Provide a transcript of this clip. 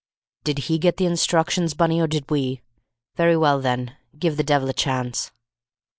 "Did he get the instructions, Bunny, or did we? Very well, then; give the devil a chance."